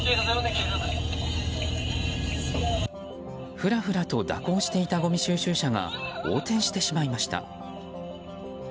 ふらふらと蛇行していたごみ収集車が横転しまいました。